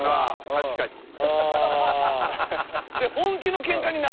確かにな。